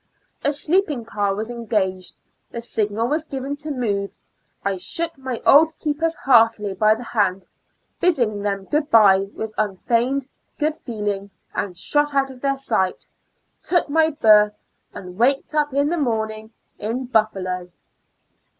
A sleep ing car was engaged, the signal was given to move; 1 shook my old keepers heartily 174 ^"^^ Years and Four Months by the hand, bidding them good bye with unfeigned good feeling, and shot out of their sight — took my berth, and waked up in the morning in Buffalo.